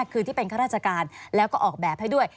คือที่เป็นข้าราชการแล้วก็ออกแบบให้ด้วย